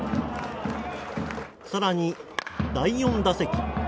更に第４打席。